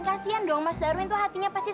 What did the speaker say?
kasian dong mas darwin tuh hatinya pasti